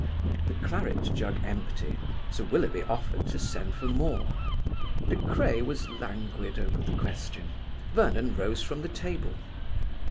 The claret jug empty, Sir Willoughby offered to send for more. De Craye was languid over the question. Vernon rose from the table.